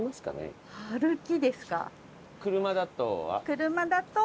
車だと？